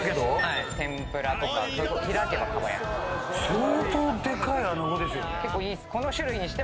相当でかいアナゴですよね。